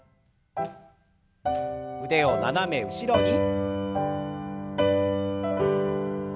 腕を斜め後ろに。